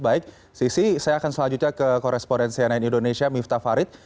baik sisi saya akan selanjutnya ke korespondensi ann indonesia miftah farid